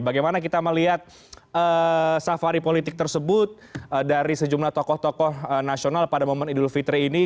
bagaimana kita melihat safari politik tersebut dari sejumlah tokoh tokoh nasional pada momen idul fitri ini